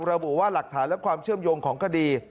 ระบุว่าหลักฐานและความเชื่อมโยงของคดี